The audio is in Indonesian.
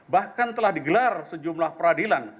bahkan telah digelar sejumlah peradilan